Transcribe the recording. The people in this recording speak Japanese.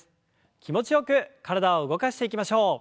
気持ちよく体を動かしていきましょう。